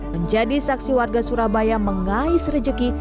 menjadi saksi warga surabaya mengais rejeki